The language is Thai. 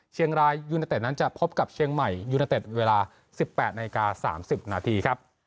เชียงรายยูเนเต็ดนั้นจะพบกับเชียงใหม่ยูเนเต็ดเวลา๑๘นาฬิกา๓๐นาทีครับ